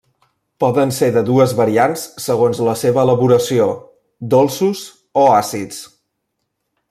Poden ser de dues variants segons la seva elaboració: dolços o àcids.